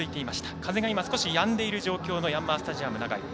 風が少しやんでいる状況のヤンマースタジアム長居。